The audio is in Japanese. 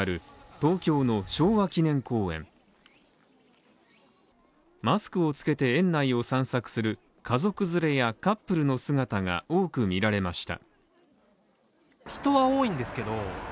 東京の昭和記念公園マスクを着けて園内を散策する家族連れやカップルの姿が多く見られました。